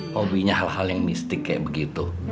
hobinya hal hal yang mistik kayak begitu